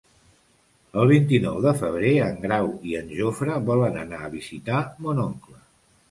El vint-i-nou de febrer en Grau i en Jofre volen anar a visitar mon oncle.